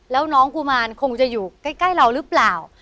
แล้วน้องกุมารคงจะอยู่ใกล้เราหรือเปล่า